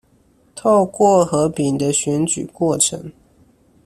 透過和平的選舉過程